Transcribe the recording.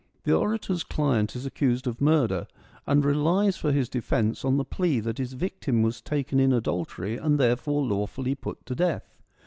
The orator's client is accused of murder, and relies for his defence on the plea that his victim was taken in adultery, and therefore lawfully put to death.